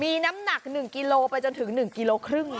มีน้ำหนัก๑กิโลไปจนถึง๑กิโลครึ่ง